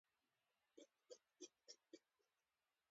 مېلمه ته له زړه دعا کوه.